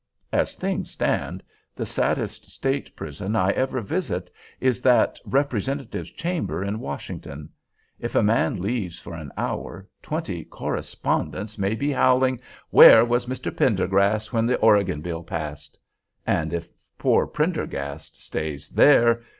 As things stand, the saddest state prison I ever visit is that Representatives' Chamber in Washington. If a man leaves for an hour, twenty "correspondents" may be howling, "Where was Mr. Prendergast when the Oregon bill passed?" And if poor Prendergast stays there!